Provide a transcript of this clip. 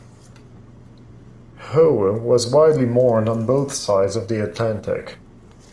Howe was widely mourned on both sides of the Atlantic.